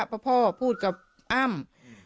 เพราะพ่อพูดกับอ้ำ